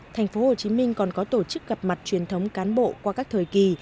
thành phố hồ chí minh còn có tổ chức gặp mặt truyền thống cán bộ qua các thời kỳ